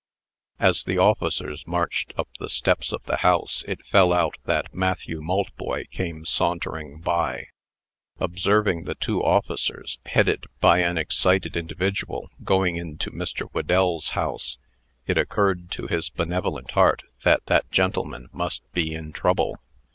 As the officers marched up the steps of the house, it fell out that Matthew Maltboy came sauntering by. Observing the two officers, headed by an excited individual, going into Mr. Whedell's house, it occurred, to his benevolent heart that that gentleman must be in trouble.